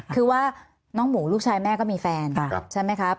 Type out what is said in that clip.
คือว่าน้องหมูลูกชายแม่ก็มีแฟนใช่ไหมครับ